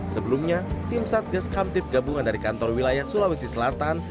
sebelumnya tim satgas kamtip gabungan dari kantor wilayah sulawesi selatan